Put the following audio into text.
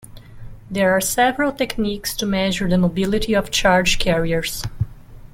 There are several techniques to measure the mobility of charge carriers.